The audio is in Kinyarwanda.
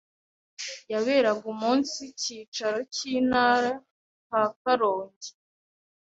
yaberaga umunsi cyicaro cy’intara ka Karongi